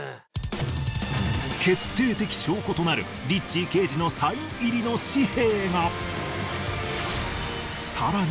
決定的証拠となるリッチー刑事のサイン入りの紙幣が。